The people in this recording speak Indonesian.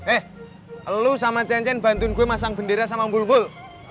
eh lo sama cen cen bantuin gue masang bendera sama bul bul